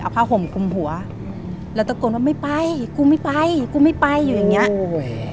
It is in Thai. ผ้าห่มคลุมหัวอืมแล้วตะโกนว่าไม่ไปกูไม่ไปกูไม่ไปอยู่อย่างเงี้โอ้ย